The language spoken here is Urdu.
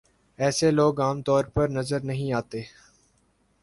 ایسے لوگ عام طور پر نظر نہیں آتے